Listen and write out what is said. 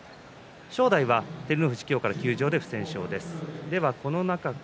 正代は照ノ富士が今日から休場で不戦勝です。